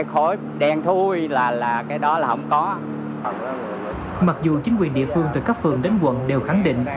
còn nhiều hộ sản xuất kinh doanh